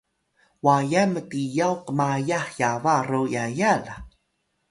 wayan mtiyaw qmayah yaba ro yaya la